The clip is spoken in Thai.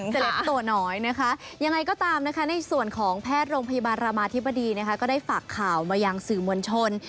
เล็ปตัวน้อยนะคะยังไงก็ตามนะคะในส่วนของแพทย์โรงพยาบาลรามาธิบดีนะคะก็ได้ฝากข่าวมายังสื่อมวลชน